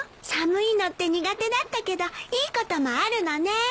寒いのって苦手だったけどいいこともあるのね。